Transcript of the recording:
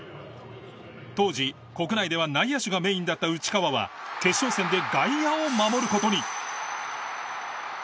当時国内では内野手がメインだった内川は決勝戦で外野を守る事に。